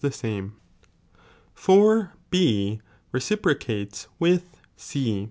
c I I for B recipropates with C.